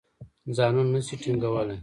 ځانونه نه شي ټینګولای.